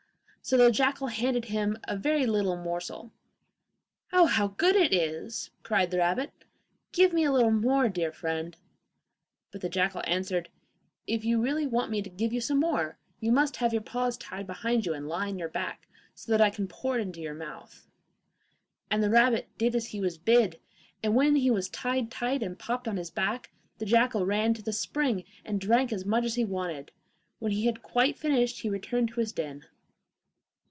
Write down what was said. So the jackal handed him a very little morsel. 'Oh, how good it is!' cried the rabbit; 'give me a little more, dear friend!' But the jackal answered, 'If you really want me to give you some more, you must have your paws tied behind you, and lie on your back, so that I can pour it into your mouth.' The rabbit did as he was bid, and when he was tied tight and popped on his back, the jackal ran to the spring and drank as much as he wanted. When he had quite finished he returned to his den.